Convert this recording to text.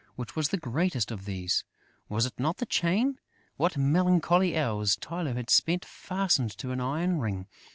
Which was the greatest of these? Was it not the chain? What melancholy hours Tylô had spent fastened to an iron ring!